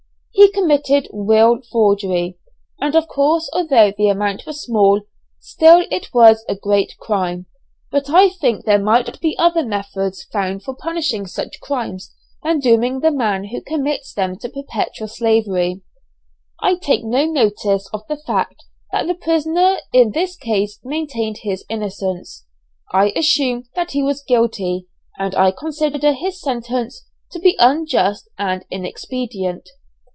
He committed will forgery, and of course although the amount was small, still it was a great crime, but I think there might be other methods found for punishing such crimes than dooming the man who commits them to perpetual slavery. I take no notice of the fact that the prisoner in this case maintained his innocence, I assume that he was guilty, and I consider his sentence to be unjust and inexpedient.